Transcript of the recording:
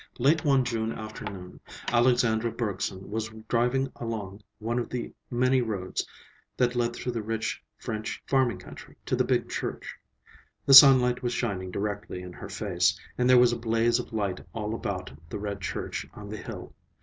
Late one June afternoon Alexandra Bergson was driving along one of the many roads that led through the rich French farming country to the big church. The sunlight was shining directly in her face, and there was a blaze of light all about the red church on the hill.